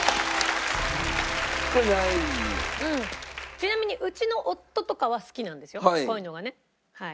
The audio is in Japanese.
ちなみにうちの夫とかは好きなんですよこういうのがねはい。